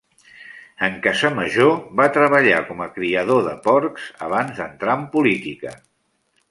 En Casamajó va treballar com a criador de porcs abans d'entrar en política.